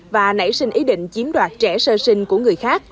và nảy sinh ý định chiếm đoạt trẻ sơ sinh của người khác